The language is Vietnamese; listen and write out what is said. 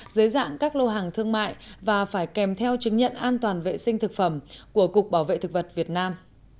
dưới dạng các lô hàng thương mại và phải kèm theo chứng nhận an toàn vệ sinh thực phẩm của cục bảo vệ thực vật việt nam